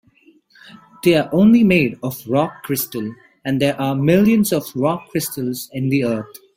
They're only made of rock crystal, and there are millions of rock crystals in the earth.